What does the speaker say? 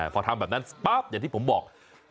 พอทำแบบนั้นปั๊บอย่างที่ผมบอก